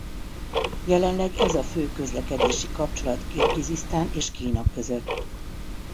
Jelenleg ez a fő közlekedési kapcsolat Kirgizisztán és Kína között.